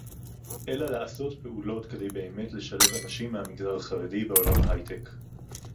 אלא לעשות פעולות כדי באמת לשלב אנשים מהמגזר החרדי בעולם ההיי-טק